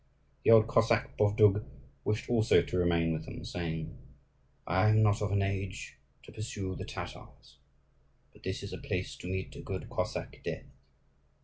The old Cossack Bovdug wished also to remain with them, saying, "I am not of an age to pursue the Tatars, but this is a place to meet a good Cossack death.